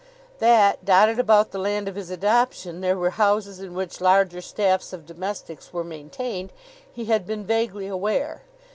That, dotted about the land of his adoption, there were houses in which larger staffs of domestics were maintained, he had been vaguely aware.